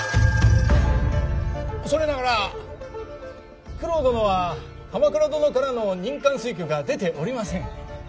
恐れながら九郎殿は鎌倉殿からの任官推挙が出ておりません。